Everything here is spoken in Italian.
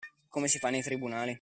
Come si fa nei tribunali.